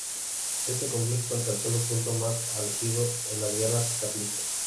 Este conflicto alcanzó su punto más álgido en las guerras carlistas.